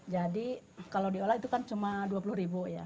jadi kalau diolah itu kan cuma dua puluh ribu ya